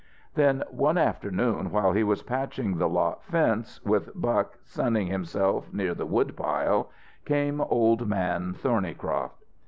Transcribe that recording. Then one afternoon, while he was patching the lot fence, with Buck sunning himself near the woodpile, came Old Man Thornycroft.